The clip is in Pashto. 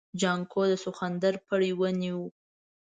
جانکو د سخوندر پړی ونيو.